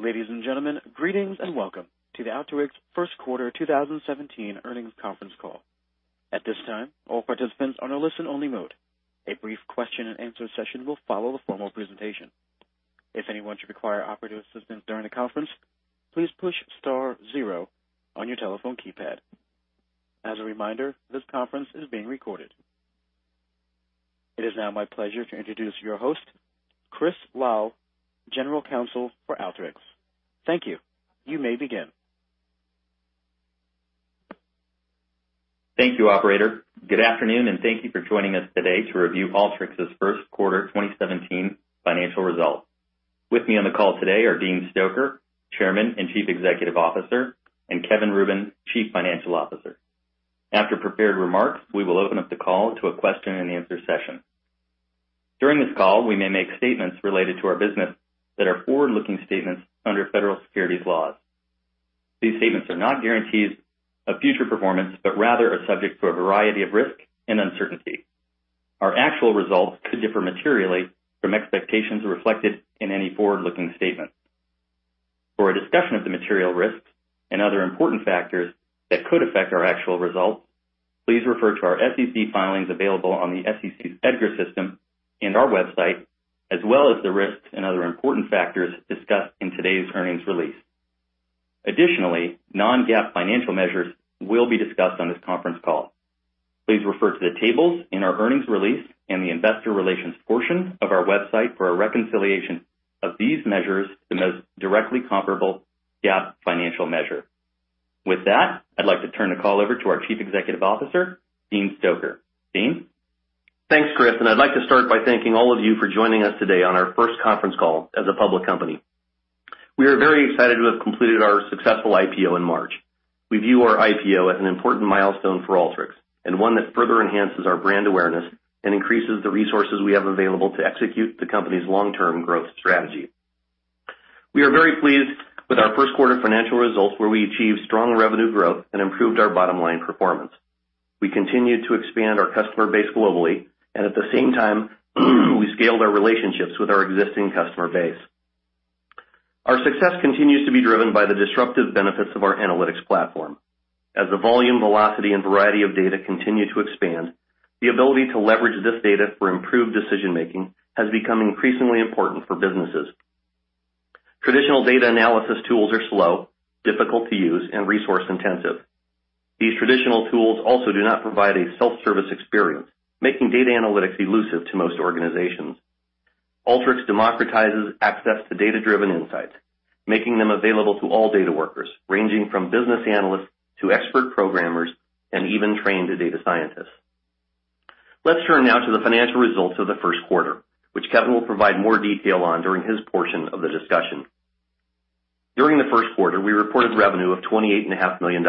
Ladies and gentlemen, greetings and welcome to the Alteryx First Quarter 2017 Earnings Conference Call. At this time, all participants are on a listen-only mode. A brief question and answer session will follow the formal presentation. If anyone should require operative assistance during the conference, please push star zero on your telephone keypad. As a reminder, this conference is being recorded. It is now my pleasure to introduce your host, Chris Lal, General Counsel for Alteryx. Thank you. You may begin. Thank you, operator. Good afternoon, and thank you for joining us today to review Alteryx's first quarter 2017 financial results. With me on the call today are Dean Stoecker, Chairman and Chief Executive Officer, and Kevin Rubin, Chief Financial Officer. After prepared remarks, we will open up the call to a question and answer session. During this call, we may make statements related to our business that are forward-looking statements under federal securities laws. These statements are not guarantees of future performance, but rather are subject to a variety of risks and uncertainty. Our actual results could differ materially from expectations reflected in any forward-looking statement. For a discussion of the material risks and other important factors that could affect our actual results, please refer to our SEC filings available on the SEC's EDGAR system and our website, as well as the risks and other important factors discussed in today's earnings release. Additionally, non-GAAP financial measures will be discussed on this conference call. Please refer to the tables in our earnings release and the investor relations portion of our website for a reconciliation of these measures to the most directly comparable GAAP financial measure. With that, I'd like to turn the call over to our Chief Executive Officer, Dean Stoecker. Dean? Thanks, Chris. I'd like to start by thanking all of you for joining us today on our first conference call as a public company. We are very excited to have completed our successful IPO in March. We view our IPO as an important milestone for Alteryx, and one that further enhances our brand awareness and increases the resources we have available to execute the company's long-term growth strategy. We are very pleased with our first quarter financial results, where we achieved strong revenue growth and improved our bottom-line performance. We continued to expand our customer base globally, and at the same time, we scaled our relationships with our existing customer base. Our success continues to be driven by the disruptive benefits of our analytics platform. As the volume, velocity, and variety of data continue to expand, the ability to leverage this data for improved decision-making has become increasingly important for businesses. Traditional data analysis tools are slow, difficult to use, and resource-intensive. These traditional tools also do not provide a self-service experience, making data analytics elusive to most organizations. Alteryx democratizes access to data-driven insights, making them available to all data workers, ranging from business analysts to expert programmers, and even trained data scientists. Let's turn now to the financial results of the first quarter, which Kevin will provide more detail on during his portion of the discussion. During the first quarter, we reported revenue of $28.5 million,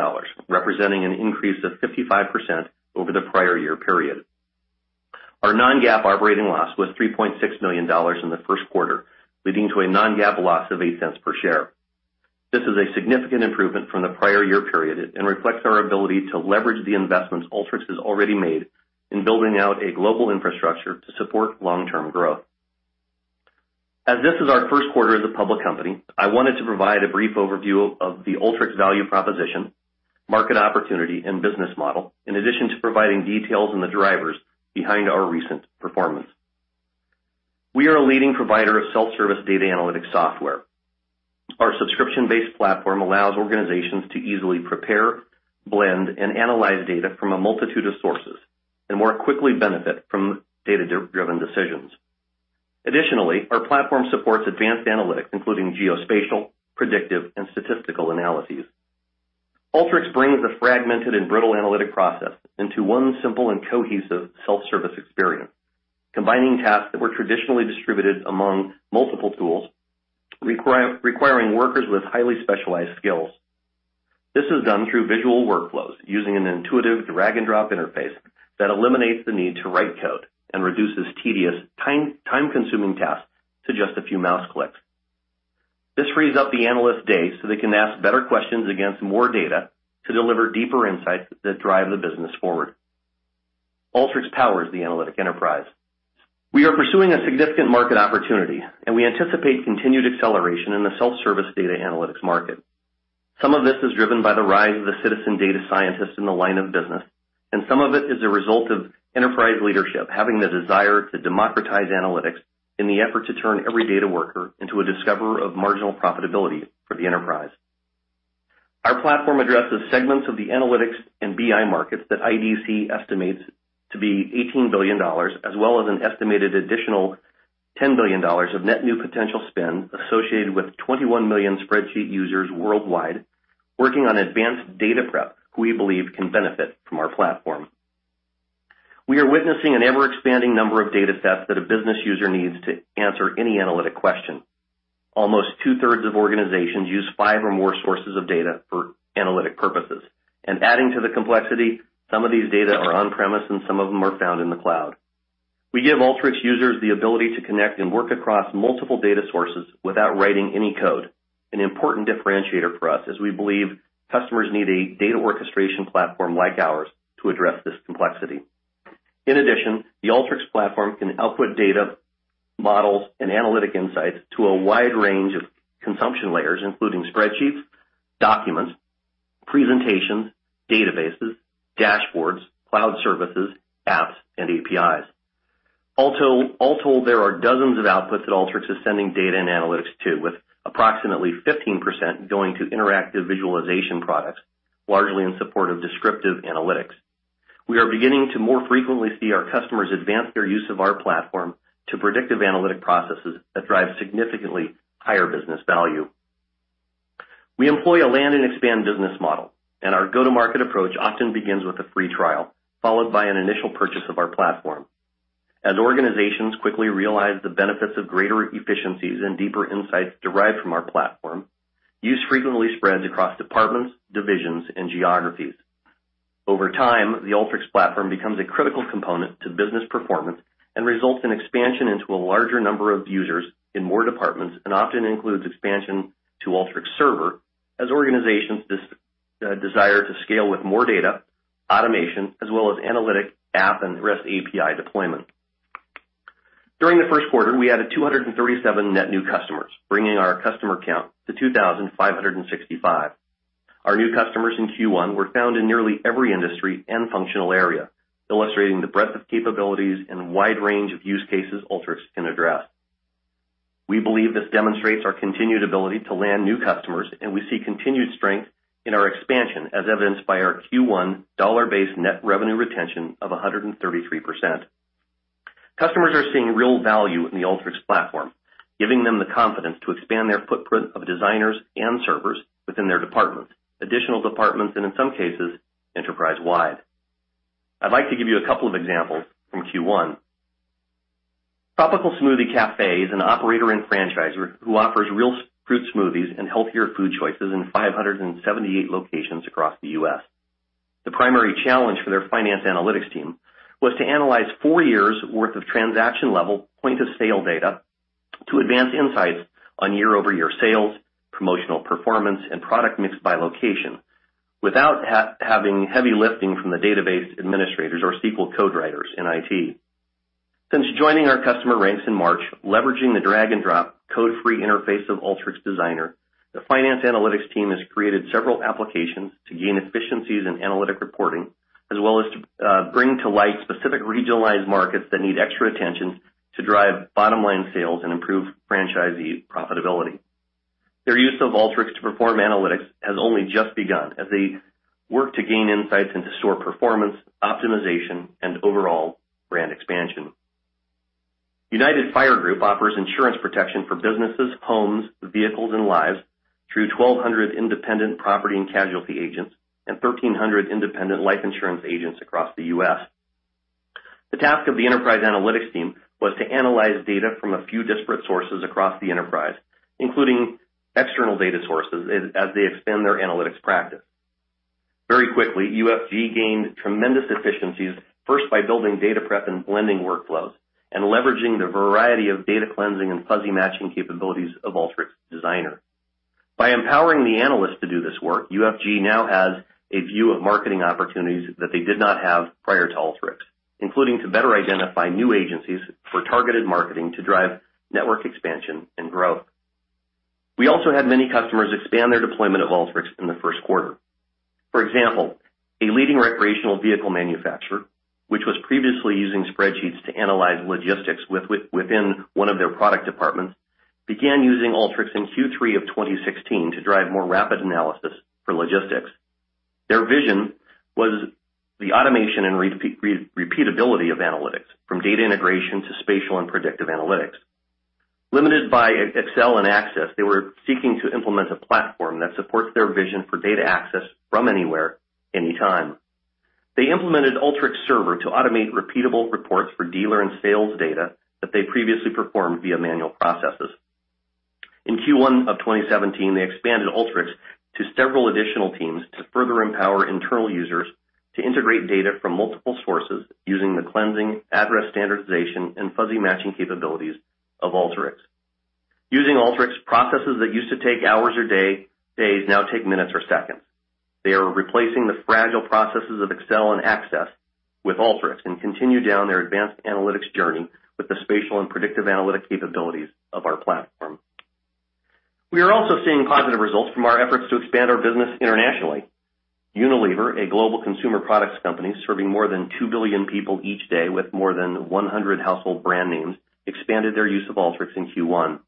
representing an increase of 55% over the prior year period. Our non-GAAP operating loss was $3.6 million in the first quarter, leading to a non-GAAP loss of $0.08 per share. This is a significant improvement from the prior year period and reflects our ability to leverage the investments Alteryx has already made in building out a global infrastructure to support long-term growth. As this is our first quarter as a public company, I wanted to provide a brief overview of the Alteryx value proposition, market opportunity, and business model, in addition to providing details on the drivers behind our recent performance. We are a leading provider of self-service data analytics software. Our subscription-based platform allows organizations to easily prepare, blend, and analyze data from a multitude of sources and more quickly benefit from data-driven decisions. Additionally, our platform supports advanced analytics, including geospatial, predictive, and statistical analyses. Alteryx brings a fragmented and brittle analytic process into one simple and cohesive self-service experience, combining tasks that were traditionally distributed among multiple tools, requiring workers with highly specialized skills. This is done through visual workflows using an intuitive drag-and-drop interface that eliminates the need to write code and reduces tedious, time-consuming tasks to just a few mouse clicks. This frees up the analyst's day so they can ask better questions against more data to deliver deeper insights that drive the business forward. Alteryx powers the analytic enterprise. We are pursuing a significant market opportunity, and we anticipate continued acceleration in the self-service data analytics market. Some of this is driven by the rise of the citizen data scientist in the line of business, and some of it is a result of enterprise leadership having the desire to democratize analytics in the effort to turn every data worker into a discoverer of marginal profitability for the enterprise. Our platform addresses segments of the analytics and BI markets that IDC estimates to be $18 billion, as well as an estimated additional $10 billion of net new potential spend associated with 21 million spreadsheet users worldwide working on advanced data prep who we believe can benefit from our platform. We are witnessing an ever-expanding number of data sets that a business user needs to answer any analytic question. Almost two-thirds of organizations use five or more sources of data for analytic purposes. Adding to the complexity, some of these data are on-premise, and some of them are found in the cloud. We give Alteryx users the ability to connect and work across multiple data sources without writing any code, an important differentiator for us as we believe customers need a data orchestration platform like ours to address this complexity. The Alteryx platform can output data, models, and analytic insights to a wide range of consumption layers, including spreadsheets, documents, presentations, databases, dashboards, cloud services, apps, and REST APIs. There are dozens of outputs that Alteryx is sending data and analytics to, with approximately 15% going to interactive visualization products, largely in support of descriptive analytics. We are beginning to more frequently see our customers advance their use of our platform to predictive analytic processes that drive significantly higher business value. We employ a land and expand business model, and our go-to-market approach often begins with a free trial, followed by an initial purchase of our platform. As organizations quickly realize the benefits of greater efficiencies and deeper insights derived from our platform, use frequently spreads across departments, divisions, and geographies. Over time, the Alteryx platform becomes a critical component to business performance and results in expansion into a larger number of users in more departments and often includes expansion to Alteryx Server as organizations desire to scale with more data, automation, as well as analytic app and REST API deployment. During the first quarter, we added 237 net new customers, bringing our customer count to 2,565. Our new customers in Q1 were found in nearly every industry and functional area, illustrating the breadth of capabilities and wide range of use cases Alteryx can address. We believe this demonstrates our continued ability to land new customers, and we see continued strength in our expansion, as evidenced by our Q1 dollar-based net revenue retention of 133%. Customers are seeing real value in the Alteryx platform, giving them the confidence to expand their footprint of Designer and Server within their departments, additional departments, and in some cases, enterprise-wide. I'd like to give you a couple of examples from Q1. Tropical Smoothie Cafe is an operator and franchisor who offers real fruit smoothies and healthier food choices in 578 locations across the U.S. The primary challenge for their finance analytics team was to analyze four years' worth of transaction-level point-of-sale data to advance insights on year-over-year sales, promotional performance, and product mix by location without having heavy lifting from the database administrators or SQL code writers in IT. Since joining our customer ranks in March, leveraging the drag-and-drop code-free interface of Alteryx Designer, the finance analytics team has created several applications to gain efficiencies in analytic reporting, as well as to bring to light specific regionalized markets that need extra attention to drive bottom-line sales and improve franchisee profitability. Their use of Alteryx to perform analytics has only just begun as they work to gain insights into store performance, optimization, and overall brand expansion. United Fire Group offers insurance protection for businesses, homes, vehicles, and lives through 1,200 independent property and casualty agents and 1,300 independent life insurance agents across the U.S. The task of the enterprise analytics team was to analyze data from a few disparate sources across the enterprise, including external data sources, as they expand their analytics practice. Very quickly, UFG gained tremendous efficiencies, first by building data prep and blending workflows and leveraging the variety of data cleansing and fuzzy matching capabilities of Alteryx Designer. By empowering the analysts to do this work, UFG now has a view of marketing opportunities that they did not have prior to Alteryx, including to better identify new agencies for targeted marketing to drive network expansion and growth. We also had many customers expand their deployment of Alteryx in the first quarter. For example, a leading recreational vehicle manufacturer, which was previously using spreadsheets to analyze logistics within one of their product departments, began using Alteryx in Q3 of 2016 to drive more rapid analysis for logistics. Their vision was the automation and repeatability of analytics, from data integration to spatial and predictive analytics. Limited by Excel and Access, they were seeking to implement a platform that supports their vision for data access from anywhere, anytime. They implemented Alteryx Server to automate repeatable reports for dealer and sales data that they previously performed via manual processes. In Q1 of 2017, they expanded Alteryx to several additional teams to further empower internal users to integrate data from multiple sources using the cleansing, address standardization, and fuzzy matching capabilities of Alteryx. Using Alteryx, processes that used to take hours or days now take minutes or seconds. They are replacing the fragile processes of Excel and Access with Alteryx and continue down their advanced analytics journey with the spatial and predictive analytic capabilities of our platform. We are also seeing positive results from our efforts to expand our business internationally. Unilever, a global consumer products company serving more than 2 billion people each day with more than 100 household brand names, expanded their use of Alteryx in Q1.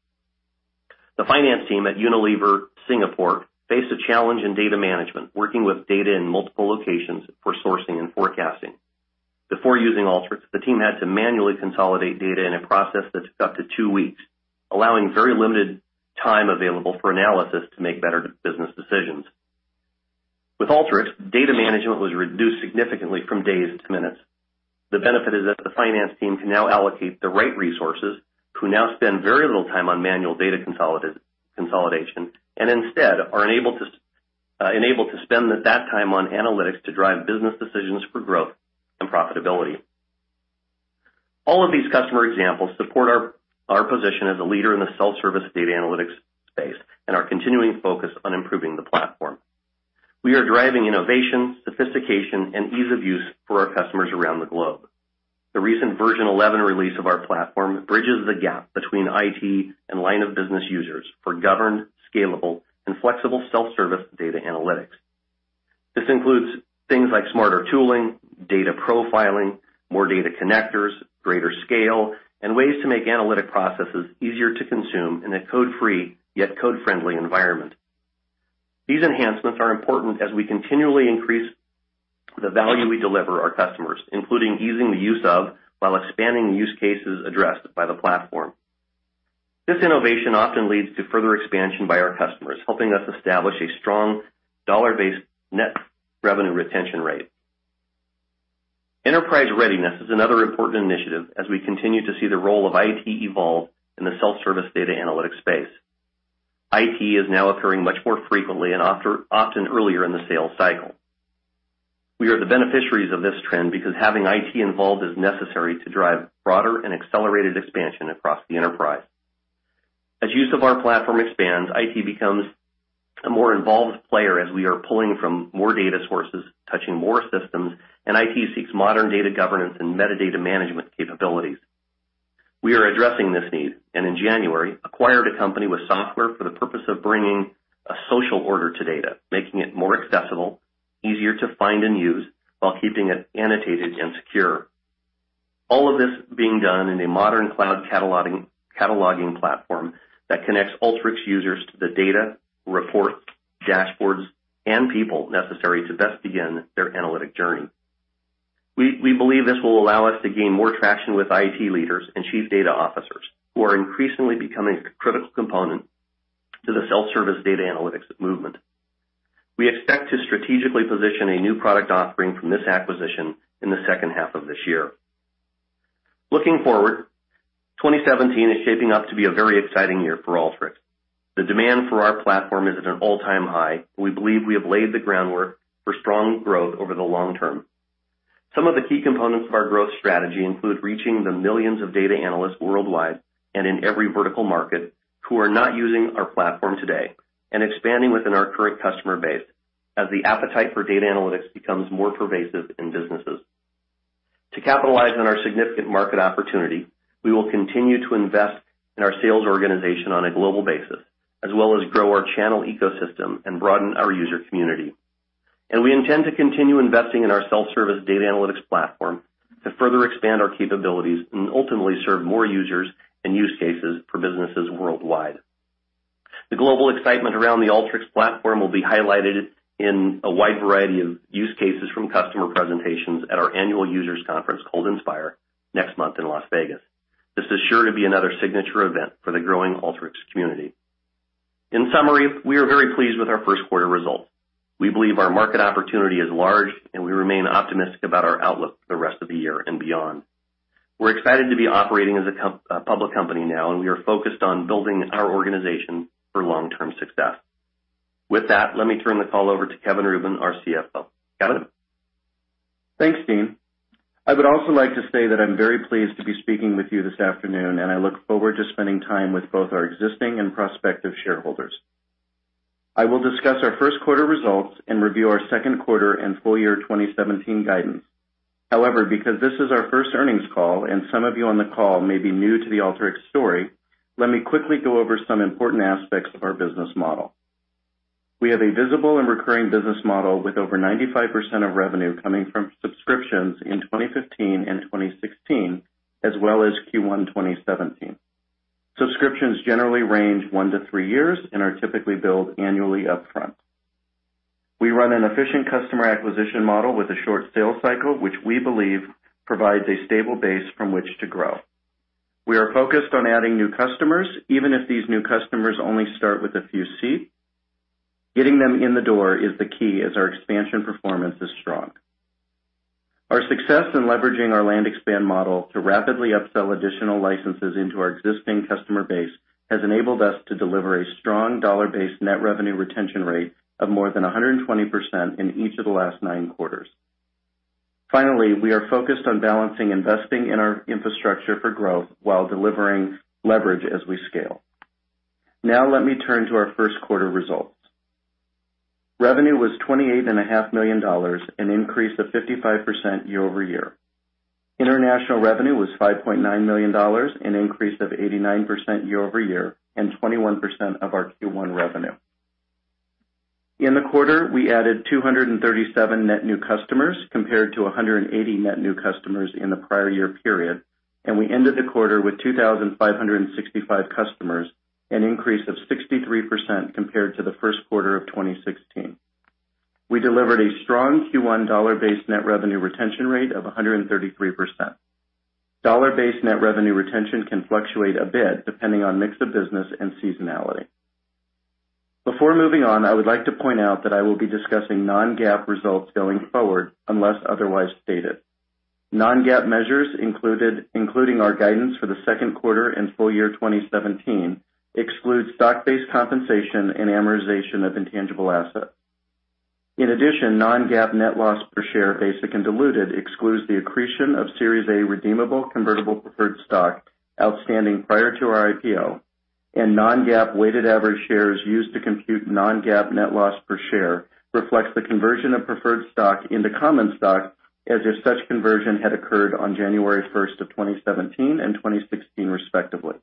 The finance team at Unilever Singapore faced a challenge in data management, working with data in multiple locations for sourcing and forecasting. Before using Alteryx, the team had to manually consolidate data in a process that took up to 2 weeks, allowing very limited time available for analysis to make better business decisions. With Alteryx, data management was reduced significantly from days to minutes. The benefit is that the finance team can now allocate the right resources, who now spend very little time on manual data consolidation, and instead are enabled to spend that time on analytics to drive business decisions for growth and profitability. All of these customer examples support our position as a leader in the self-service data analytics space and our continuing focus on improving the platform. We are driving innovation, sophistication, and ease of use for our customers around the globe. The recent version 11 release of our platform bridges the gap between IT and line of business users for governed, scalable, and flexible self-service data analytics. This includes things like smarter tooling, data profiling, more data connectors, greater scale, and ways to make analytic processes easier to consume in a code-free yet code-friendly environment. These enhancements are important as we continually increase the value we deliver our customers, including easing the use of, while expanding use cases addressed by the platform. This innovation often leads to further expansion by our customers, helping us establish a strong dollar-based net revenue retention rate. Enterprise readiness is another important initiative as we continue to see the role of IT evolve in the self-service data analytics space. IT is now occurring much more frequently and often earlier in the sales cycle. We are the beneficiaries of this trend because having IT involved is necessary to drive broader and accelerated expansion across the enterprise. As use of our platform expands, IT becomes a more involved player as we are pulling from more data sources, touching more systems, and IT seeks modern data governance and metadata management capabilities. We are addressing this need, and in January, acquired a company with software for the purpose of bringing a social order to data, making it more accessible, easier to find and use, while keeping it annotated and secure. All of this being done in a modern cloud cataloging platform that connects Alteryx users to the data, reports, dashboards, and people necessary to best begin their analytic journey. We believe this will allow us to gain more traction with IT leaders and chief data officers who are increasingly becoming a critical component to the self-service data analytics movement. We expect to strategically position a new product offering from this acquisition in the second half of this year. Looking forward, 2017 is shaping up to be a very exciting year for Alteryx. The demand for our platform is at an all-time high. We believe we have laid the groundwork for strong growth over the long term. Some of the key components of our growth strategy include reaching the millions of data analysts worldwide and in every vertical market who are not using our platform today, and expanding within our current customer base as the appetite for data analytics becomes more pervasive in businesses. To capitalize on our significant market opportunity, we will continue to invest in our sales organization on a global basis, as well as grow our channel ecosystem and broaden our user community. We intend to continue investing in our self-service data analytics platform to further expand our capabilities and ultimately serve more users and use cases for businesses worldwide. The global excitement around the Alteryx platform will be highlighted in a wide variety of use cases from customer presentations at our annual users conference called Inspire next month in Las Vegas. This is sure to be another signature event for the growing Alteryx community. In summary, we are very pleased with our first quarter results. We believe our market opportunity is large, and we remain optimistic about our outlook for the rest of the year and beyond. We're excited to be operating as a public company now, and we are focused on building our organization for long-term success. With that, let me turn the call over to Kevin Rubin, our CFO. Kevin? Thanks, Dean. I would also like to say that I'm very pleased to be speaking with you this afternoon, I look forward to spending time with both our existing and prospective shareholders. I will discuss our first quarter results and review our second quarter and full year 2017 guidance. However, because this is our first earnings call and some of you on the call may be new to the Alteryx story, let me quickly go over some important aspects of our business model. We have a visible and recurring business model with over 95% of revenue coming from subscriptions in 2015 and 2016, as well as Q1 2017. Subscriptions generally range one to three years and are typically billed annually up front. We run an efficient customer acquisition model with a short sales cycle, which we believe provides a stable base from which to grow. We are focused on adding new customers, even if these new customers only start with a few seats. Getting them in the door is the key as our expansion performance is strong. Our success in leveraging our land expand model to rapidly upsell additional licenses into our existing customer base has enabled us to deliver a strong dollar-based net revenue retention rate of more than 120% in each of the last nine quarters. Finally, we are focused on balancing investing in our infrastructure for growth while delivering leverage as we scale. Now let me turn to our first quarter results. Revenue was $28.5 million, an increase of 55% year-over-year. International revenue was $5.9 million, an increase of 89% year-over-year and 21% of our Q1 revenue. In the quarter, we added 237 net new customers compared to 180 net new customers in the prior year period, we ended the quarter with 2,565 customers, an increase of 63% compared to the first quarter of 2016. We delivered a strong Q1 dollar-based net revenue retention rate of 133%. Dollar-based net revenue retention can fluctuate a bit depending on mix of business and seasonality. Before moving on, I would like to point out that I will be discussing non-GAAP results going forward, unless otherwise stated. Non-GAAP measures, including our guidance for the second quarter and full year 2017, exclude stock-based compensation and amortization of intangible assets. In addition, non-GAAP net loss per share, basic and diluted, excludes the accretion of Series A redeemable convertible preferred stock outstanding prior to our IPO, non-GAAP weighted average shares used to compute non-GAAP net loss per share reflects the conversion of preferred stock into common stock as if such conversion had occurred on January 1st of 2017 and 2016, respectively.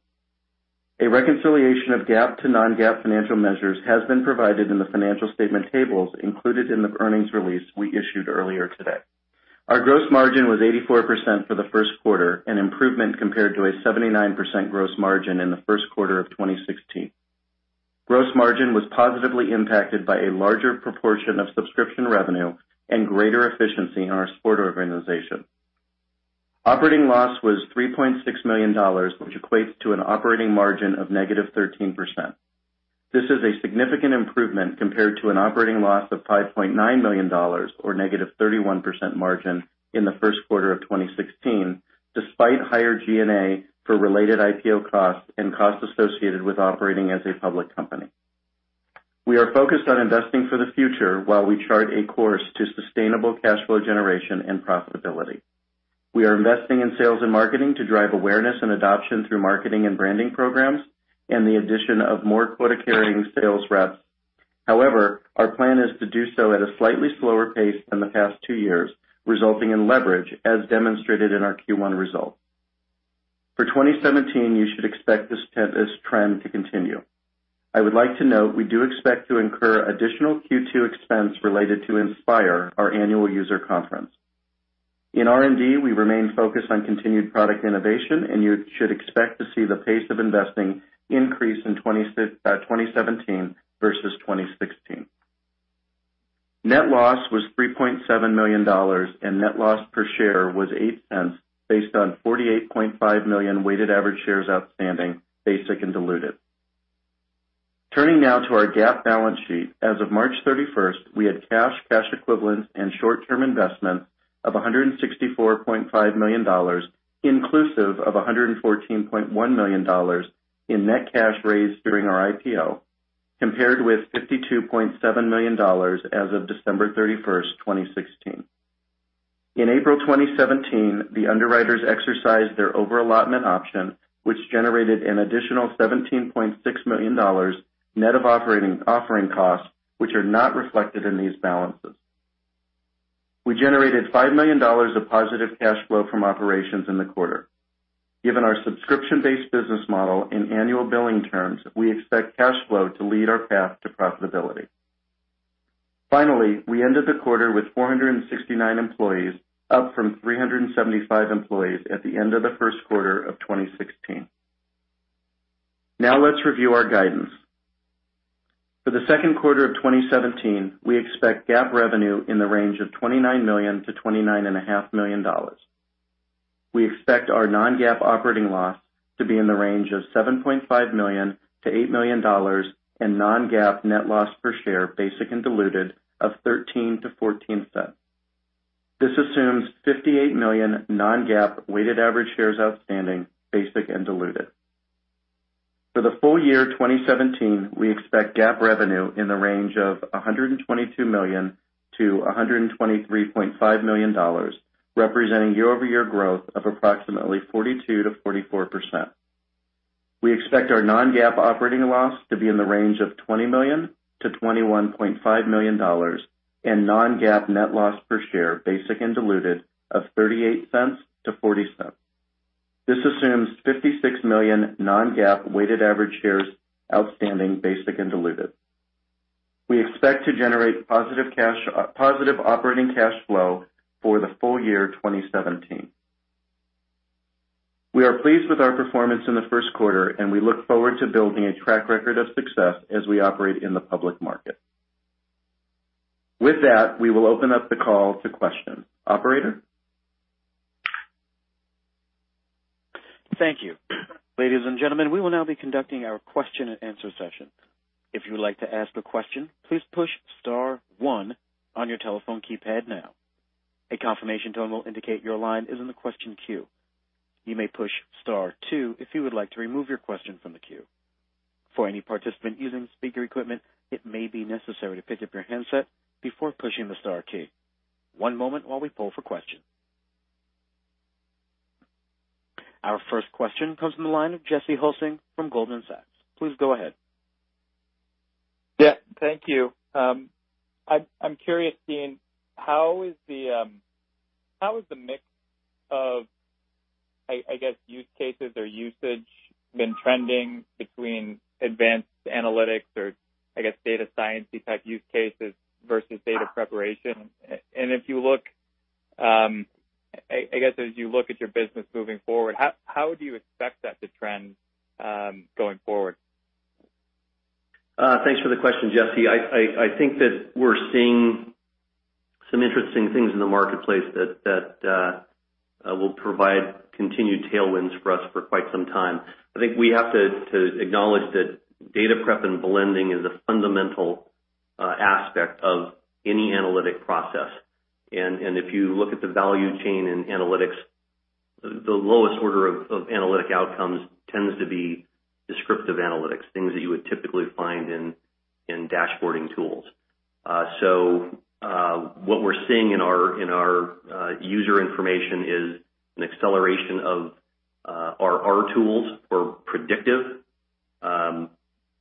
A reconciliation of GAAP to non-GAAP financial measures has been provided in the financial statement tables included in the earnings release we issued earlier today. Our gross margin was 84% for the first quarter, an improvement compared to a 79% gross margin in the first quarter of 2016. Gross margin was positively impacted by a larger proportion of subscription revenue and greater efficiency in our support organization. Operating loss was $3.6 million, which equates to an operating margin of negative 13%. This is a significant improvement compared to an operating loss of $5.9 million or negative 31% margin in the first quarter of 2016, despite higher G&A for related IPO costs and costs associated with operating as a public company. We are focused on investing for the future while we chart a course to sustainable cash flow generation and profitability. We are investing in sales and marketing to drive awareness and adoption through marketing and branding programs and the addition of more quota-carrying sales reps. However, our plan is to do so at a slightly slower pace than the past two years, resulting in leverage as demonstrated in our Q1 results. For 2017, you should expect this trend to continue. I would like to note, we do expect to incur additional Q2 expense related to Inspire, our annual user conference. In R&D, we remain focused on continued product innovation. You should expect to see the pace of investing increase in 2017 versus 2016. Net loss was $3.7 million, net loss per share was $0.08, based on 48.5 million weighted average shares outstanding, basic and diluted. Turning now to our GAAP balance sheet, as of March 31st, we had cash equivalents, and short-term investments of $164.5 million, inclusive of $114.1 million in net cash raised during our IPO, compared with $52.7 million as of December 31st, 2016. In April 2017, the underwriters exercised their over-allotment option, which generated an additional $17.6 million, net of operating offering costs, which are not reflected in these balances. We generated $5 million of positive cash flow from operations in the quarter. Given our subscription-based business model and annual billing terms, we expect cash flow to lead our path to profitability. Finally, we ended the quarter with 469 employees, up from 375 employees at the end of the first quarter of 2016. Now let's review our guidance. For the second quarter of 2017, we expect GAAP revenue in the range of $29 million-$29.5 million. We expect our non-GAAP operating loss to be in the range of $7.5 million-$8 million and non-GAAP net loss per share, basic and diluted, of $0.13-$0.14. This assumes 58 million non-GAAP weighted average shares outstanding, basic and diluted. For the full year 2017, we expect GAAP revenue in the range of $122 million-$123.5 million, representing year-over-year growth of approximately 42%-44%. We expect our non-GAAP operating loss to be in the range of $20 million-$21.5 million and non-GAAP net loss per share, basic and diluted, of $0.38-$0.40. This assumes 56 million non-GAAP weighted average shares outstanding, basic and diluted. We expect to generate positive operating cash flow for the full year 2017. We are pleased with our performance in the first quarter. We look forward to building a track record of success as we operate in the public market. With that, we will open up the call to questions. Operator? Thank you. Ladies and gentlemen, we will now be conducting our question and answer session. If you would like to ask a question, please push star one on your telephone keypad now. A confirmation tone will indicate your line is in the question queue. You may push star two if you would like to remove your question from the queue. For any participant using speaker equipment, it may be necessary to pick up your handset before pushing the star key. One moment while we poll for questions. Our first question comes from the line of Jesse Hulsing from Goldman Sachs. Please go ahead. Yeah, thank you. I'm curious, Dean, how is the mix of I guess, you said you've been trending between advanced analytics, I guess data science, versus data preparation? As you look at your business moving forward, how do you expect that going forward? The question, Jesse. I think that we're seeing some interesting things in the marketplace that will provide continued tailwinds for us for quite some time. I think we have to acknowledge that data prep and blending is a fundamental aspect of any analytic process. If you look at the value chain in analytics The lowest order of analytic outcomes tends to be descriptive analytics, things that you would typically find in dashboarding tools. What we're seeing in our user information is an acceleration of our R tools for predictive,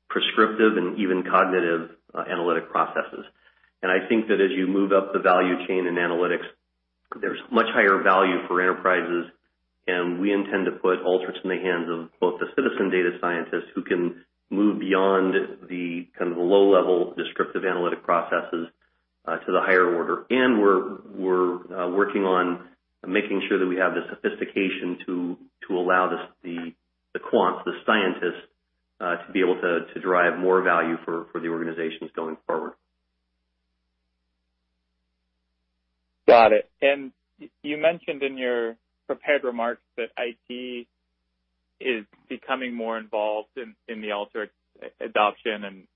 prescriptive, and even cognitive analytic processes. I think that as you move up the value chain in analytics, there's much higher value for enterprises, and we intend to put Alteryx in the hands of both the citizen data scientists who can move beyond the low-level descriptive analytic processes to the higher order. We're working on making sure that we have the sophistication to allow the quants, the scientists, to be able to drive more value for the organizations going forward. Got it. You mentioned in your prepared remarks that IT is becoming more involved in the Alteryx adoption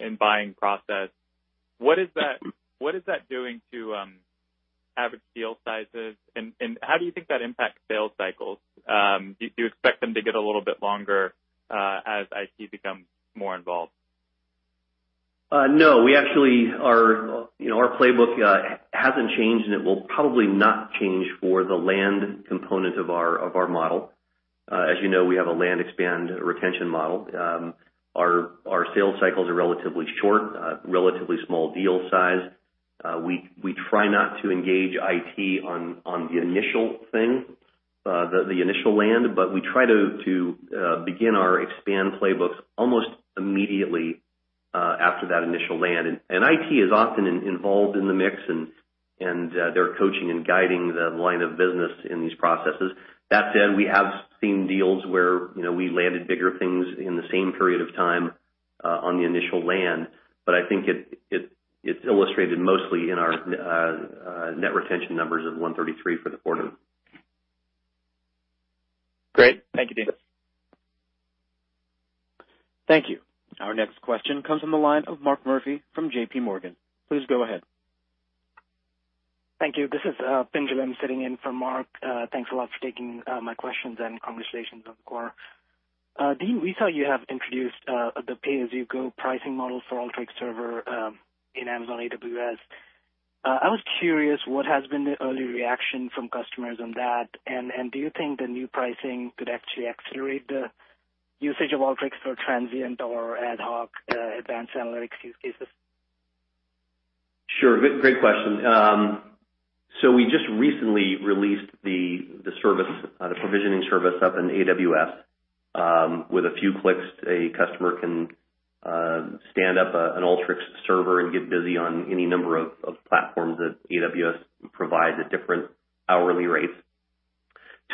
and buying process. What is that doing to average deal sizes, and how do you think that impacts sales cycles? Do you expect them to get a little bit longer as IT becomes more involved? No. Our playbook hasn't changed, and it will probably not change for the land component of our model. As you know, we have a land expand retention model. Our sales cycles are relatively short, relatively small deal size. We try not to engage IT on the initial thing, the initial land, but we try to begin our expand playbooks almost immediately after that initial land. IT is often involved in the mix, and they're coaching and guiding the line of business in these processes. That said, we have seen deals where we landed bigger things in the same period of time on the initial land. I think it's illustrated mostly in our net retention numbers of 133 for the quarter. Great. Thank you, Dean. Thank you. Our next question comes from the line of Mark Murphy from JPMorgan. Please go ahead. Thank you. This is Pinjalim sitting in for Mark. Thanks a lot for taking my questions and conversations on the quarter. Dean, we saw you have introduced the pay-as-you-go pricing model for Alteryx Server in Amazon AWS. I was curious what has been the early reaction from customers on that, and do you think the new pricing could actually accelerate the usage of Alteryx for transient or ad hoc advanced analytics use cases? Sure. Great question. We just recently released the provisioning service up in AWS. With a few clicks, a customer can stand up an Alteryx Server and get busy on any number of platforms that AWS provides at different hourly rates.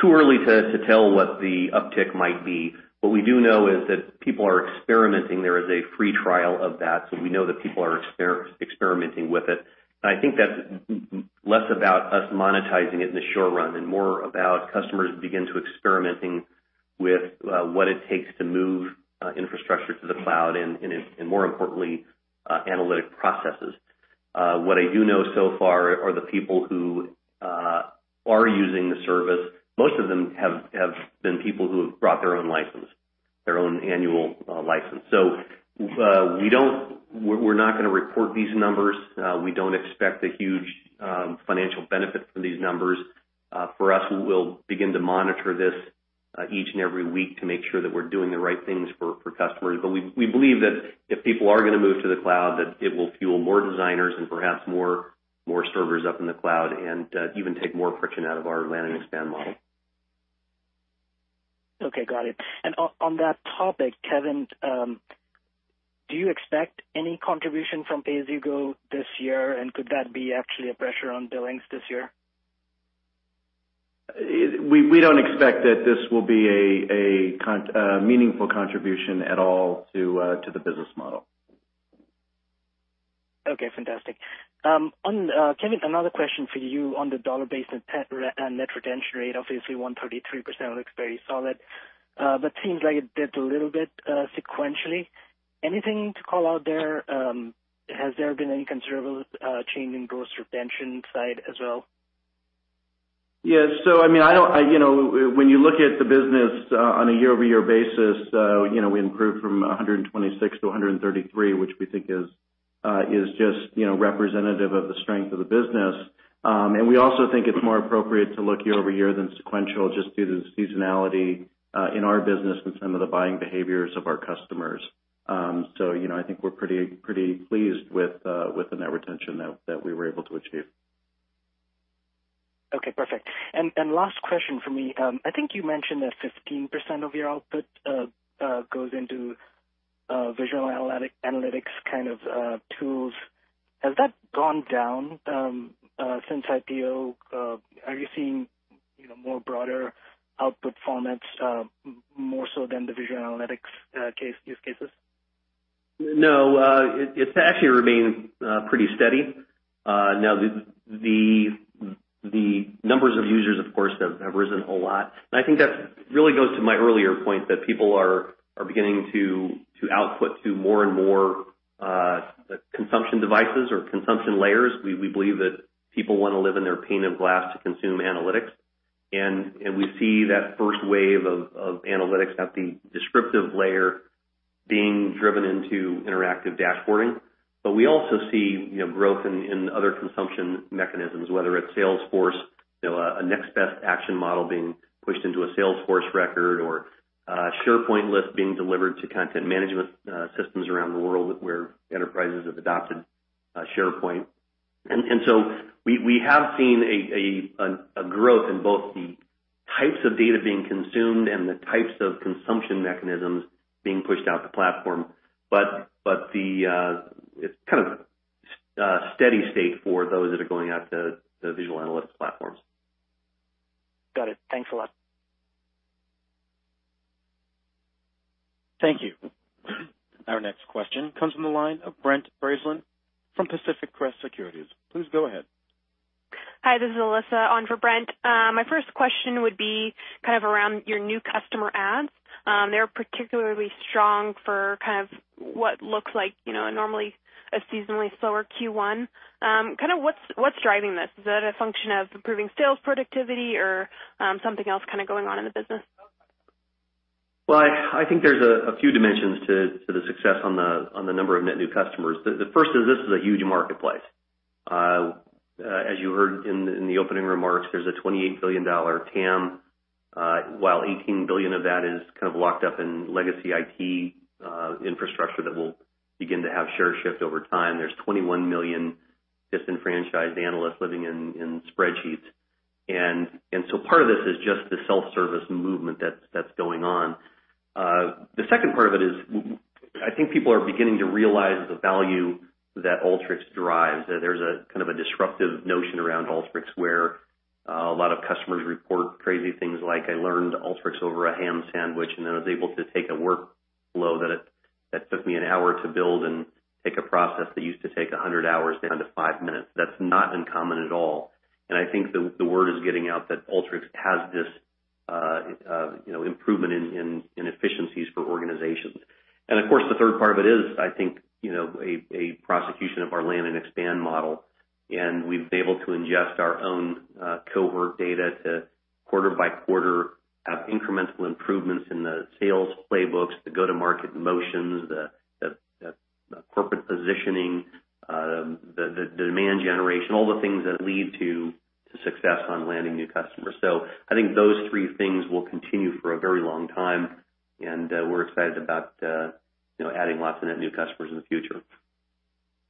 Too early to tell what the uptick might be. What we do know is that people are experimenting. There is a free trial of that, so we know that people are experimenting with it. I think that's less about us monetizing it in the short run and more about customers begin to experimenting with what it takes to move infrastructure to the cloud and, more importantly, analytic processes. What I do know so far are the people who are using the service, most of them have been people who have brought their own annual license. We're not going to report these numbers. We don't expect a huge financial benefit from these numbers. For us, we'll begin to monitor this each and every week to make sure that we're doing the right things for customers. We believe that if people are going to move to the cloud, that it will fuel more Designers and perhaps more Servers up in the cloud and even take more friction out of our land and expand model. Okay, got it. On that topic, Kevin, do you expect any contribution from pay-as-you-go this year, and could that be actually a pressure on billings this year? We don't expect that this will be a meaningful contribution at all to the business model. Okay, fantastic. Kevin, another question for you on the dollar-based net retention rate. Obviously, 133% looks very solid. Seems like it dipped a little bit sequentially. Anything to call out there? Has there been any considerable change in gross retention side as well? Yeah. When you look at the business on a year-over-year basis, we improved from 126-133, which we think is just representative of the strength of the business. We also think it's more appropriate to look year-over-year than sequential just due to the seasonality in our business and some of the buying behaviors of our customers. I think we're pretty pleased with the net retention that we were able to achieve. Okay, perfect. Last question for me. I think you mentioned that 15% of your output goes into visual analytics kind of tools. Has that gone down since IPO? Are you seeing more broader output formats more so than the visual analytics use cases? No. It's actually remained pretty steady. Now, the numbers of users, of course, have risen a whole lot. I think that really goes to my earlier point that people are beginning to output to more and more the consumption devices or consumption layers. We believe that people want to live in their pane of glass to consume analytics. We see that first wave of analytics at the descriptive layer being driven into interactive dashboarding. We also see growth in other consumption mechanisms, whether it's Salesforce, a next best action model being pushed into a Salesforce record or a SharePoint list being delivered to content management systems around the world where enterprises have adopted SharePoint. We have seen a growth in both the types of data being consumed and the types of consumption mechanisms being pushed out to platform. It's kind of a steady state for those that are going out to the visual analytics platforms. Got it. Thanks a lot. Thank you. Our next question comes from the line of Brent Bracelin from Pacific Crest Securities. Please go ahead. Hi, this is Alyssa on for Brent. My first question would be kind of around your new customer adds. They're particularly strong for what looks like normally a seasonally slower Q1. What's driving this? Is that a function of improving sales productivity or something else kind of going on in the business? Well, I think there's a few dimensions to the success on the number of net new customers. The first is this is a huge marketplace. As you heard in the opening remarks, there's a $28 billion TAM. While $18 billion of that is kind of locked up in legacy IT infrastructure that will begin to have share shift over time. There's 21 million disenfranchised analysts living in spreadsheets. Part of this is just the self-service movement that's going on. The second part of it is, I think people are beginning to realize the value that Alteryx drives. There's a kind of a disruptive notion around Alteryx, where a lot of customers report crazy things like, "I learned Alteryx over a ham sandwich, and then I was able to take a workflow that took me an hour to build and take a process that used to take 100 hours down to five minutes." That's not uncommon at all. I think the word is getting out that Alteryx has this improvement in efficiencies for organizations. Of course, the third part of it is, I think, a prosecution of our land and expand model, and we've been able to ingest our own cohort data to quarter by quarter have incremental improvements in the sales playbooks, the go-to-market motions, the corporate positioning, the demand generation, all the things that lead to success on landing new customers. I think those three things will continue for a very long time, and we're excited about adding lots of net new customers in the future.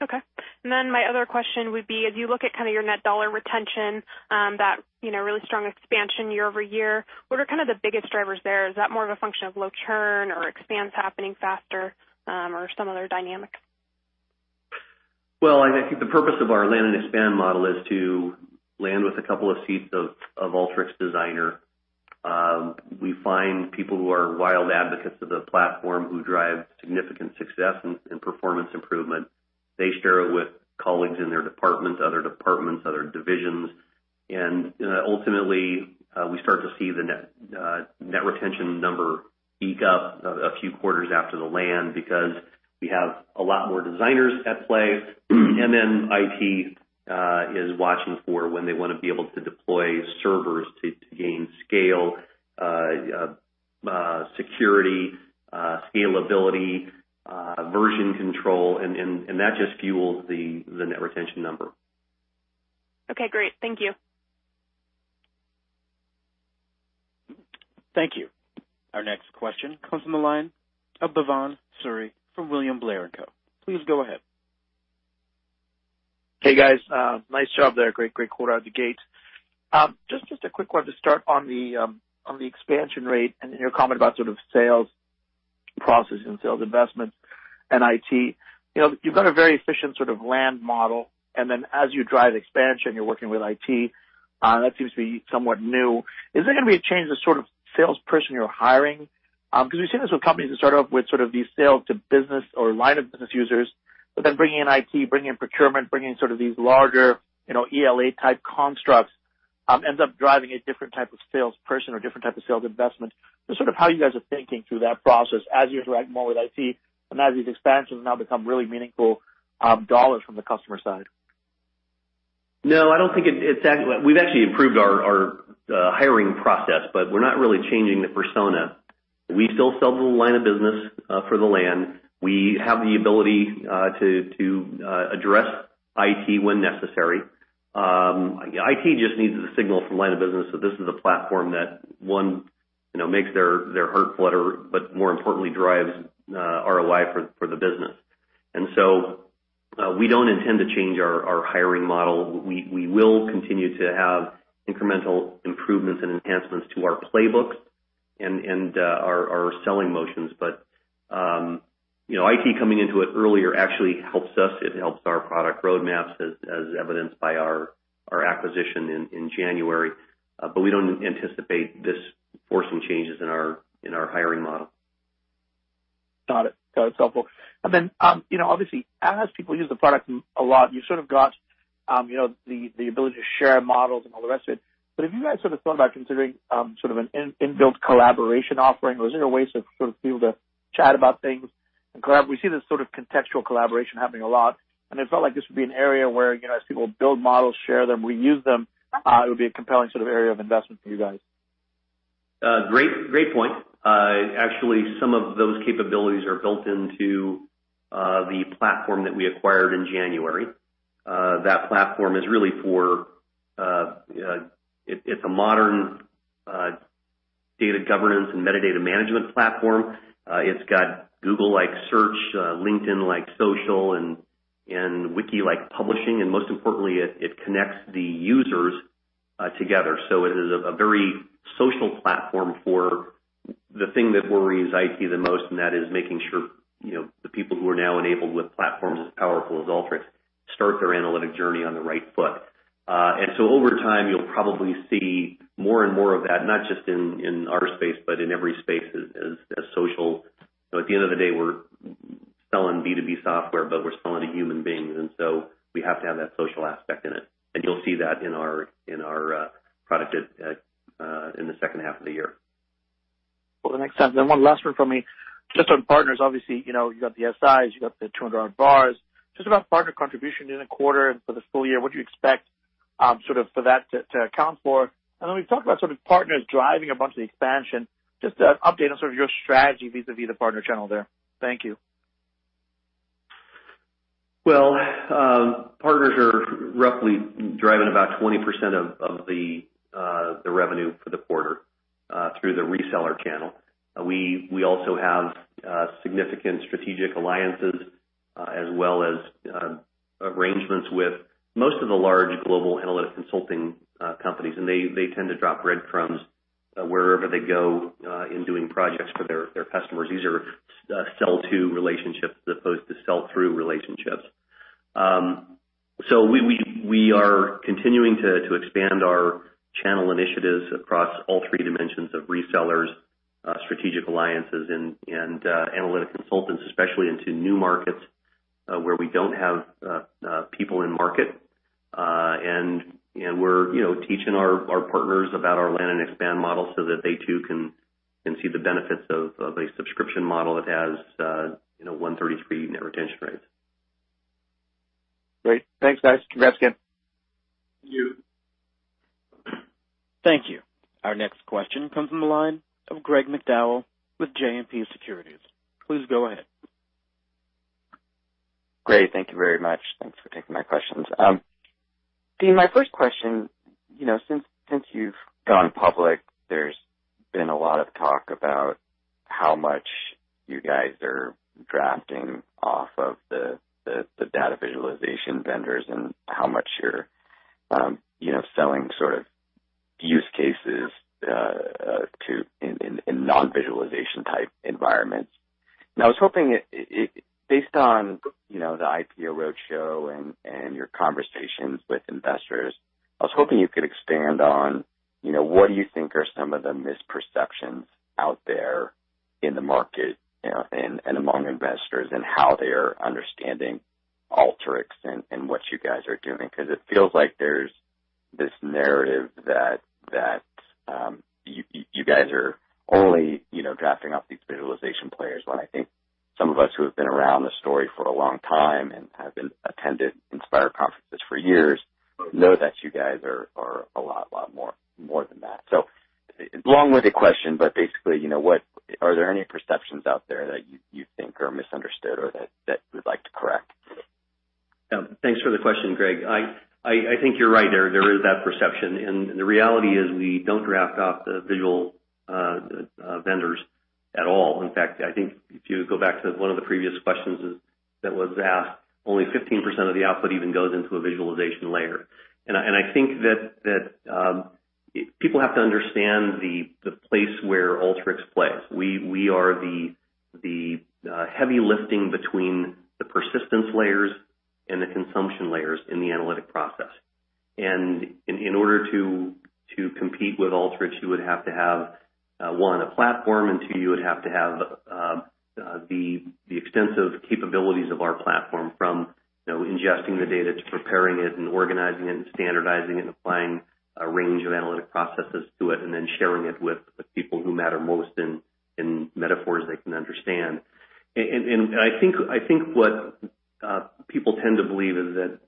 Okay. My other question would be, as you look at kind of your net dollar retention, that really strong expansion year-over-year, what are kind of the biggest drivers there? Is that more of a function of low churn or expands happening faster, or some other dynamic? Well, I think the purpose of our land and expand model is to land with a couple of seats of Alteryx Designer. We find people who are wild advocates of the platform who drive significant success and performance improvement. They share it with colleagues in their department, other departments, other divisions. Ultimately, we start to see the net retention number peak up a few quarters after the land because we have a lot more designers at play. Then IT is watching for when they want to be able to deploy servers to gain scale, security, scalability, version control, and that just fuels the net retention number. Okay, great. Thank you. Thank you. Our next question comes from the line of Bhavan Suri from William Blair & Company. Please go ahead. Hey, guys. Nice job there. Great quarter out of the gate. Just a quick one to start on the expansion rate and your comment about sort of sales process and sales investment and IT. You've got a very efficient sort of land model. Then as you drive expansion, you're working with IT. That seems to be somewhat new. Is there going to be a change of sort of salesperson you're hiring? We've seen this with companies that start off with sort of these sales to business or line of business users, but then bringing in IT, bringing in procurement, bringing in sort of these larger ELA type constructs, ends up driving a different type of salesperson or different type of sales investment. How you guys are thinking through that process as you interact more with IT and as these expansions now become really meaningful dollars from the customer side. No, I don't think We've actually improved our hiring process, we're not really changing the persona. We still sell the line of business, for the land. We have the ability to address IT when necessary. IT just needs the signal from line of business that this is a platform that, one, makes their heart flutter, but more importantly, drives ROI for the business. We don't intend to change our hiring model. We will continue to have incremental improvements and enhancements to our playbooks and our selling motions. IT coming into it earlier actually helps us. It helps our product roadmaps as evidenced by our acquisition in January. We don't anticipate this forcing changes in our hiring model. Got it. That's helpful. Obviously, as people use the product a lot, you sort of got the ability to share models and all the rest of it. Have you guys thought about considering an inbuilt collaboration offering, or is there a way to be able to chat about things and collab? We see this sort of contextual collaboration happening a lot, and it felt like this would be an area where, as people build models, share them, reuse them, it would be a compelling area of investment for you guys. Great point. Actually, some of those capabilities are built into the platform that we acquired in January. That platform is a modern data governance and metadata management platform. It's got Google-like search, LinkedIn-like social, and Wiki-like publishing, and most importantly, it connects the users together. It is a very social platform for the thing that worries IT the most, and that is making sure the people who are now enabled with platforms as powerful as Alteryx start their analytic journey on the right foot. Over time, you'll probably see more and more of that, not just in our space, but in every space as social. At the end of the day, we're selling B2B software, we're selling to human beings, we have to have that social aspect in it. You'll see that in our product in the second half of the year. Well, one last one from me. Just on partners, obviously, you got the SIs, you got the 200 odd VARs. Just about partner contribution in the quarter and for the full year, what do you expect for that to account for? We've talked about partners driving a bunch of the expansion. Just an update on your strategy vis-a-vis the partner channel there. Thank you. Well, partners are roughly driving about 20% of the revenue for the quarter through the reseller channel. We also have significant strategic alliances as well as arrangements with most of the large global analytic consulting companies, and they tend to drop breadcrumbs wherever they go in doing projects for their customers. These are sell-to relationships as opposed to sell-through relationships. We are continuing to expand our channel initiatives across all three dimensions of resellers, strategic alliances, and analytic consultants, especially into new markets where we don't have people in market. We're teaching our partners about our land and expand model so that they too can see the benefits of a subscription model that has 133 net retention rates. Great. Thanks, guys. Congrats again. Thank you. Thank you. Our next question comes from the line of Greg McDowell with JMP Securities. Please go ahead. Greg, thank you very much. Thanks for taking my questions. Dean, my first question, since you've gone public, there's been a lot of talk about how much you guys are drafting off of the data visualization vendors and how much you're selling use cases in non-visualization type environments. I was hoping, based on the IPO roadshow and your conversations with investors, I was hoping you could expand on what do you think are some of the misperceptions out there in the market and among investors, and how they are understanding Alteryx and what you guys are doing. It feels like there's this narrative that you guys are only drafting off these visualization players, when I think some of us who have been around the story for a long time and have attended Inspire conferences for years know that you guys are a lot more than that. Long-winded question, basically, are there any perceptions out there that you think are misunderstood or that you'd like to correct? Thanks for the question, Greg. I think you're right. There is that perception, the reality is we don't draft off the visual vendors at all. In fact, I think if you go back to one of the previous questions that was asked, only 15% of the output even goes into a visualization layer. I think that people have to understand the place where Alteryx plays. We are the heavy lifting between the persistence layers and the consumption layers in the analytic process. In order to compete with Alteryx, you would have to have, one, a platform, and two, you would have to have the extensive capabilities of our platform from ingesting the data, to preparing it, and organizing it, and standardizing it, and applying a range of analytic processes to it, and then sharing it with the people who matter most in metaphors they can understand. I think what people tend to believe is that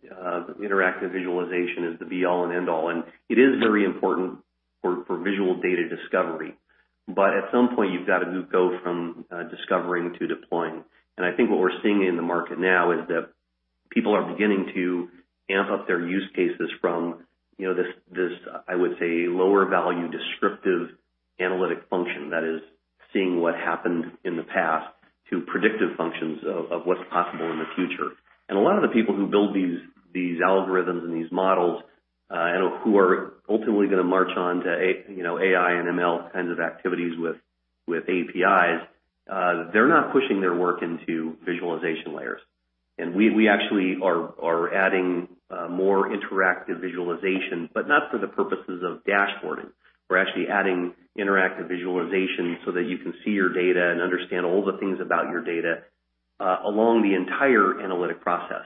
interactive visualization is the be all and end all, and it is very important for visual data discovery. At some point, you've got to go from discovering to deploying. I think what we're seeing in the market now is that people are beginning to amp up their use cases from this, I would say, lower value, descriptive analytic function that is seeing what happened in the past, to predictive functions of what's possible in the future. A lot of the people who build these algorithms and these models, and who are ultimately going to march on to AI and ML kinds of activities with APIs, they're not pushing their work into visualization layers. We actually are adding more interactive visualization, but not for the purposes of dashboarding. We're actually adding interactive visualization so that you can see your data and understand all the things about your data along the entire analytic process.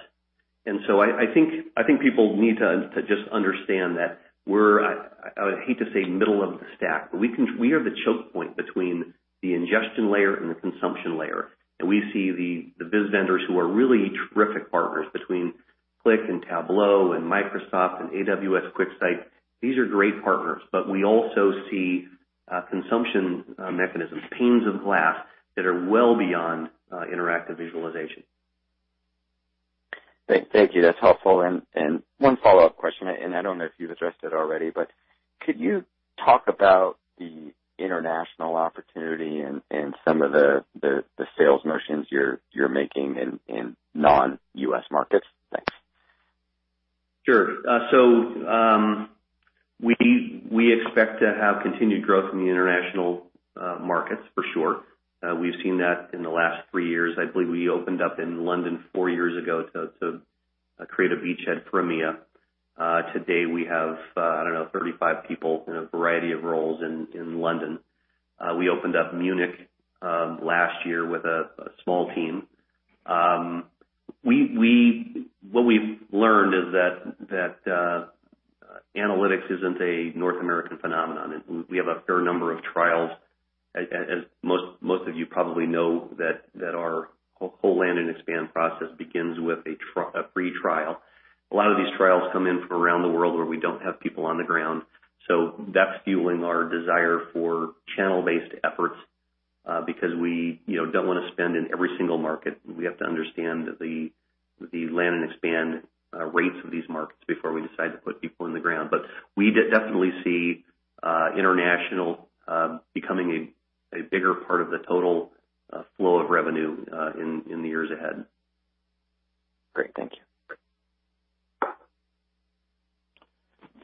I think people need to just understand that we're, I hate to say, middle of the stack, but we are the choke point between the ingestion layer and the consumption layer. We see the BI vendors who are really terrific partners between Qlik, Tableau, Microsoft, and Amazon QuickSight. These are great partners, but we also see consumption mechanisms, panes of glass, that are well beyond interactive visualization. Thank you. That's helpful. One follow-up question, and I don't know if you've addressed it already, but could you talk about the international opportunity and some of the sales motions you're making in non-U.S. markets? Thanks. Sure. We expect to have continued growth in the international markets for sure. We've seen that in the last three years. I believe we opened up in London four years ago to create a beachhead for EMEA. Today we have, I don't know, 35 people in a variety of roles in London. We opened up Munich last year with a small team. What we've learned is that analytics isn't a North American phenomenon, and we have a fair number of trials. As most of you probably know that our whole land and expand process begins with a free trial. A lot of these trials come in from around the world where we don't have people on the ground. That's fueling our desire for channel-based efforts because we don't want to spend in every single market. We have to understand the land and expand rates of these markets before we decide to put people on the ground. We definitely see international becoming a bigger part of the total flow of revenue in the years ahead. Great. Thank you.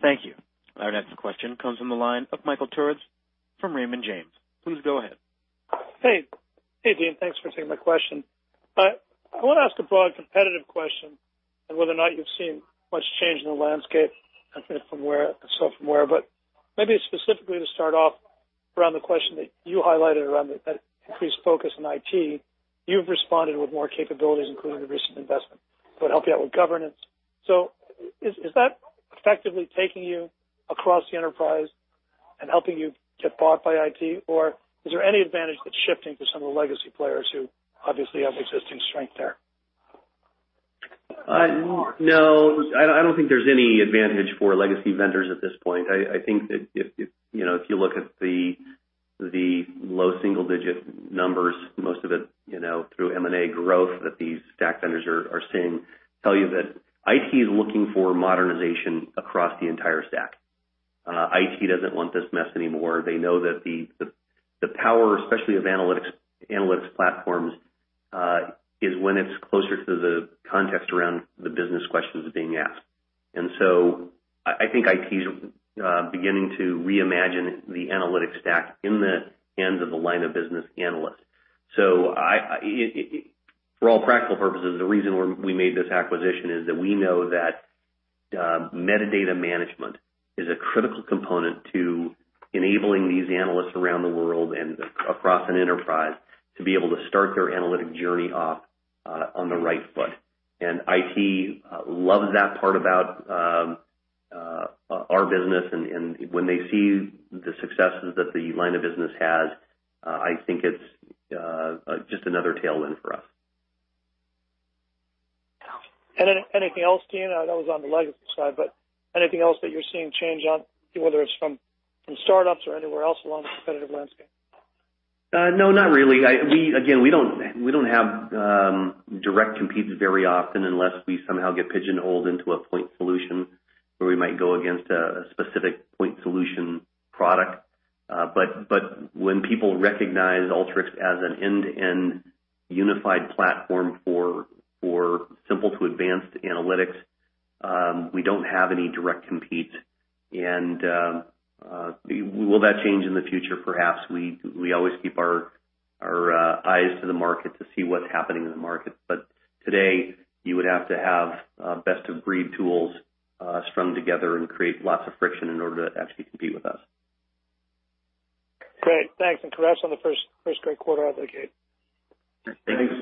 Thank you. Our next question comes from the line of Michael Turits from Raymond James. Please go ahead. Hey. Hey, Dean. Thanks for taking my question. I want to ask a broad competitive question on whether or not you've seen much change in the landscape, and if so, from where. Maybe specifically to start off around the question that you highlighted around that increased focus on IT, you've responded with more capabilities, including the recent investment, to help you out with governance. Is that effectively taking you across the enterprise and helping you get bought by IT? Or is there any advantage that's shifting to some of the legacy players who obviously have existing strength there? No, I don't think there's any advantage for legacy vendors at this point. I think that if you look at the low single-digit numbers, most of it through M&A growth that these stack vendors are seeing tell you that IT is looking for modernization across the entire stack. IT doesn't want this mess anymore. They know that the power, especially of analytics platforms, is when it's closer to the context around the business questions being asked. I think IT is beginning to reimagine the analytics stack in the hands of the line of business analyst. For all practical purposes, the reason we made this acquisition is that we know that metadata management is a critical component to enabling these analysts around the world and across an enterprise to be able to start their analytic journey off on the right foot. IT loves that part about our business. When they see the successes that the line of business has, I think it's just another tailwind for us. Anything else, Dean? That was on the legacy side, anything else that you're seeing change on, whether it's from startups or anywhere else along the competitive landscape? No, not really. Again, we don't have direct competes very often unless we somehow get pigeonholed into a point solution where we might go against a specific point solution product. When people recognize Alteryx as an end-to-end unified platform for simple to advanced analytics, we don't have any direct compete. Will that change in the future? Perhaps. We always keep our eyes to the market to see what's happening in the market. Today, you would have to have best-of-breed tools strung together and create lots of friction in order to actually compete with us. Great. Thanks. Congrats on the first great quarter out of the gate. Thanks.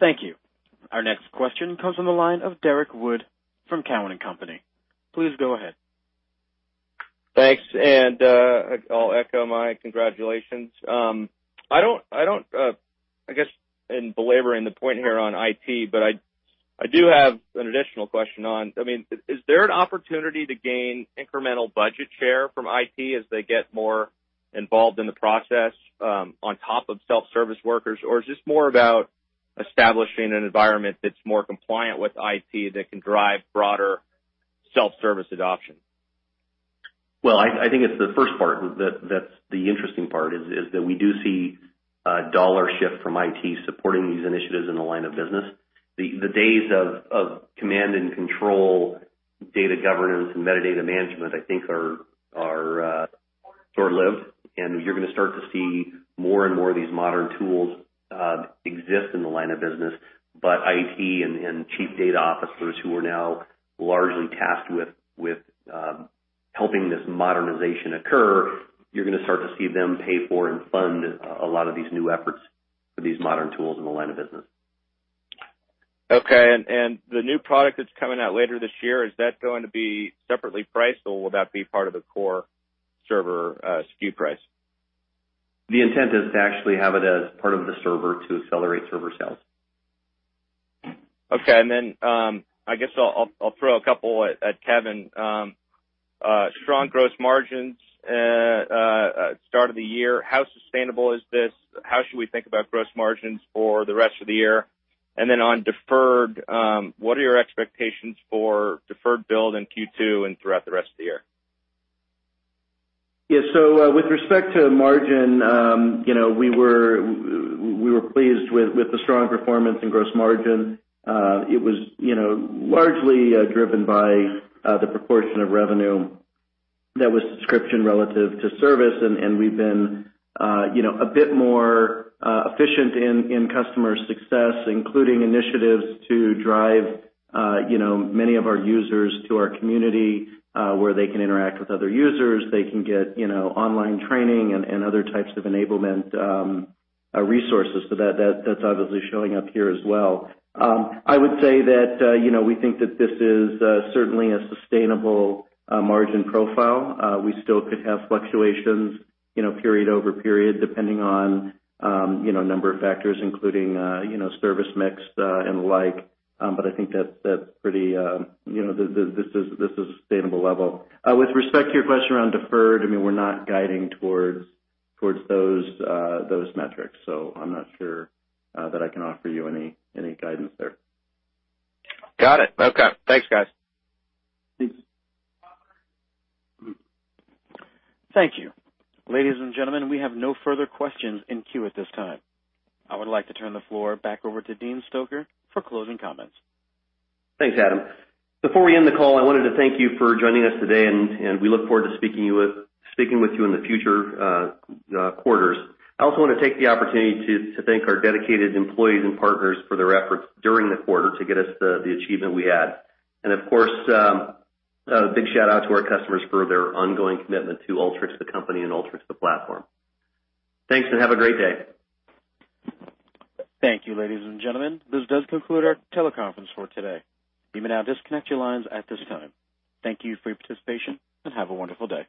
Thank you. Our next question comes from the line of Derrick Wood from Cowen and Company. Please go ahead. Thanks. I'll echo my congratulations. I guess in belaboring the point here on IT, but I do have an additional question. Is there an opportunity to gain incremental budget share from IT as they get more involved in the process on top of self-service workers? Or is this more about establishing an environment that's more compliant with IT that can drive broader self-service adoption? Well, I think it's the first part that's the interesting part, is that we do see a dollar shift from IT supporting these initiatives in the line of business. The days of command and control, data governance, and metadata management, I think are Live, and you're going to start to see more and more of these modern tools exist in the line of business. IT and chief data officers who are now largely tasked with helping this modernization occur, you're going to start to see them pay for and fund a lot of these new efforts for these modern tools in the line of business. Okay. The new product that's coming out later this year, is that going to be separately priced or will that be part of the core server SKU price? The intent is to actually have it as part of the server to accelerate server sales. Okay. I guess I'll throw a couple at Kevin. Strong gross margins start of the year. How sustainable is this? How should we think about gross margins for the rest of the year? On deferred, what are your expectations for deferred build in Q2 and throughout the rest of the year? With respect to margin, we were pleased with the strong performance in gross margin. It was largely driven by the proportion of revenue that was subscription relative to service. We've been a bit more efficient in customer success, including initiatives to drive many of our users to our community, where they can interact with other users. They can get online training and other types of enablement resources. That's obviously showing up here as well. I would say that we think that this is certainly a sustainable margin profile. We still could have fluctuations period over period, depending on a number of factors, including service mix and the like. I think that this is a sustainable level. With respect to your question around deferred, we're not guiding towards those metrics, so I'm not sure that I can offer you any guidance there. Got it. Okay. Thanks, guys. Thanks. Thank you. Ladies and gentlemen, we have no further questions in queue at this time. I would like to turn the floor back over to Dean Stoecker for closing comments. Thanks, Adam. Before we end the call, I wanted to thank you for joining us today. We look forward to speaking with you in the future quarters. I also want to take the opportunity to thank our dedicated employees and partners for their efforts during the quarter to get us the achievement we had. Of course, a big shout-out to our customers for their ongoing commitment to Alteryx, the company, and Alteryx, the platform. Thanks, have a great day. Thank you, ladies and gentlemen. This does conclude our teleconference for today. You may now disconnect your lines at this time. Thank you for your participation, have a wonderful day.